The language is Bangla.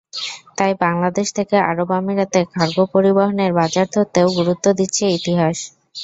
তাই বাংলাদেশ থেকে আরব আমিরাতে কার্গো পরিবহনের বাজার ধরতেও গুরুত্ব দিচ্ছে ইতিহাদ।